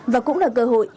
và cũng là cơ hội